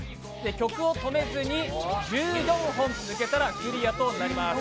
曲を止めずに１４本続けたらクリアとなります。